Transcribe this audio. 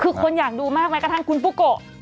คือคนอยากดูมากแม้กระทั่งคุณปุ๊กโกะ